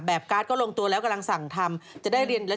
แบบการ์ดก็ลงตัวแล้วกำลังสั่งทำ